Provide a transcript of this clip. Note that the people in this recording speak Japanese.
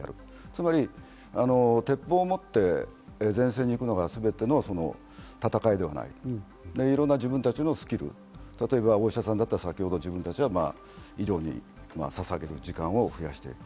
つまり鉄砲を持って前線に行くのが全ての戦いではない、いろんな自分たちのスキル、例えば、お医者さんだったら医療にささげる時間を増やしていく。